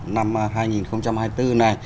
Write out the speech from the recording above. năm hai nghìn hai mươi bốn này